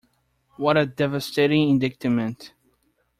What a devastating indictment.